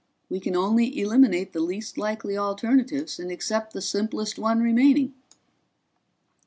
"We can only eliminate the least likely alternatives and accept the simplest one remaining."